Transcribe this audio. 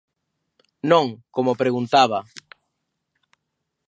¡Non, como preguntaba!